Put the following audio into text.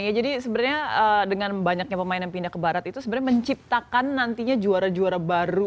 ya jadi sebenarnya dengan banyaknya pemain yang pindah ke barat itu sebenarnya menciptakan nantinya juara juara baru